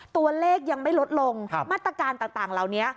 ตัวเลขยังไม่ลดลงมาตรการต่างเหล่านี้